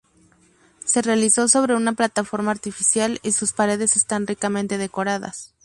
Se realizó sobre una plataforma artificial y sus paredes están ricamente decoradas.